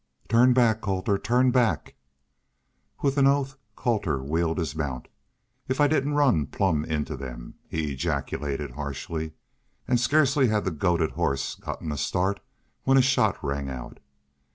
"Turn back, Colter! Turn back!" With an oath Colter wheeled his mount. "If I didn't run plump into them," he ejaculated, harshly. And scarcely had the goaded horse gotten a start when a shot rang out.